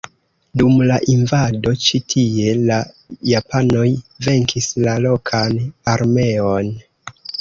Dum la invado ĉi tie la japanoj venkis la lokan armeon.